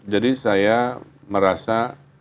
jadi saya merasa